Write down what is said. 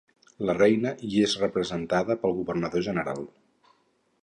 La Reina hi és representada pel governador-general.